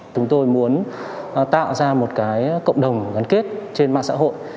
chúng tôi muốn tạo ra một cái cộng đồng gắn kết trên mạng xã hội